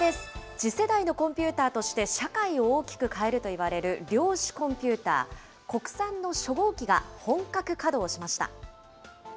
次世代のコンピューターとして社会を大きく変えるといわれる量子コンピューター、国産の初号機が本格稼働しました。